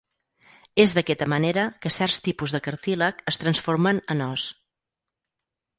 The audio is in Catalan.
És d'aquesta manera que certs tipus de cartílag es transformen en os.